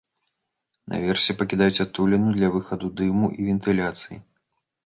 Наверсе пакідаюць адтуліну для выхаду дыму і вентыляцыі.